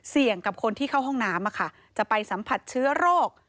กับคนที่เข้าห้องน้ำจะไปสัมผัสเชื้อโรค